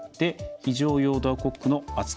非常用ドアコックの扱い方。